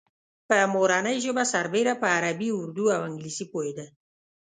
په مورنۍ ژبه سربېره په عربي، اردو او انګلیسي پوهېده.